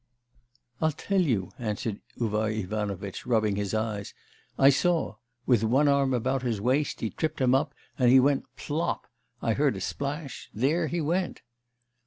'I'll tell you,' answered Uvar Ivanovitch, rubbing his eyes, 'I saw; with one arm about his waist, he tripped him up, and he went plop! I heard a splash there he went.